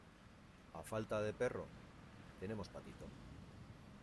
a falta de perro, tenemos patito.